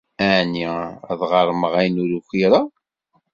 Ɛni ad ɣermeɣ ayen ur ukwireɣ?